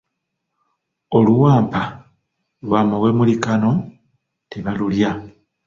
Oluwampa lw'amawemukirano tebalulya.